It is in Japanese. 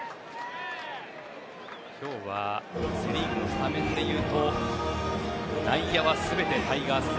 今日はセ・リーグのスタメンでいうと内野は全てタイガース勢。